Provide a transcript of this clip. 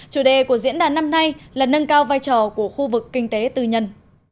chủ đề của diễn đàn năm nay là nâng cao vai trò của khu vực kinh tế tư nhân